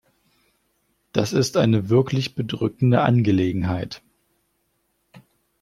Das ist eine wirklich bedrückende Angelegenheit.